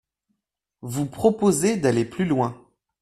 Vous proposez d’aller plus loin.